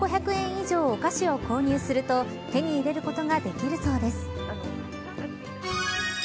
以上お菓子を購入すると手に入れることができるそうです。